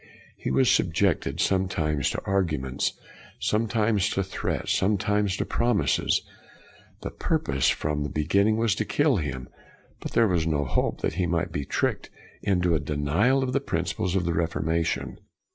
He was subjected, sometimes to arguments, sometimes to threats, some times to promises. The purpose, from the beginning, was to kill him, but there was hope that he might be tricked into a denial of the principles of the Reformation.